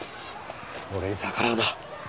俺に逆らうな。